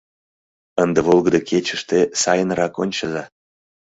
Ынде волгыдо кечыште сайынрак ончыза.